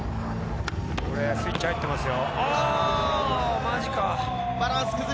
スイッチ入ってますよ。